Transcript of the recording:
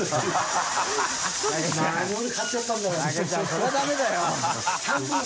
それはダメだよ